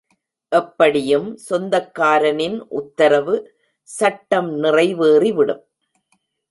எப்படியும் சொந்தக்காரனின் உத்தரவு சட்டம் நிறை வேறிவிடும்.